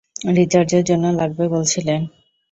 রিসার্চের জন্য লাগবে বলছিলেন?